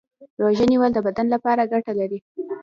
روژه نیول د بدن لپاره څه ګټه لري